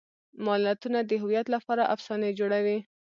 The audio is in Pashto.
ملتونه د هویت لپاره افسانې جوړوي.